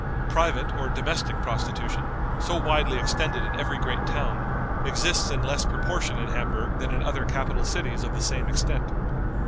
Private or domestic prostitution, so widely extended in every great town, exists in less proportion in Hamburg than in other capital cities of the same extent.